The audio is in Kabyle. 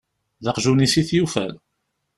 D aqjun-is i t-yufan.